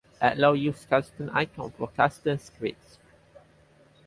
Allow use customs icons for customs scripts!